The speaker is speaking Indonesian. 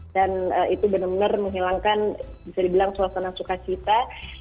itu benar benar menghilangkan bisa dibilang suasana sukacita